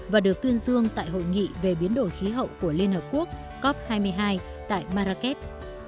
và được tuyên dương tại hội nghị về biến đổi khí hậu của liên hợp quốc cop hai mươi hai tại marrakes